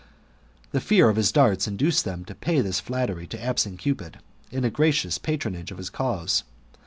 " The fear of his darts induced them to pay this flattery to absent Cupid, in a gracious patronage of his cause.